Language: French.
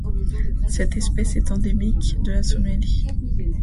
Cette espèce est endémique de la Somalie.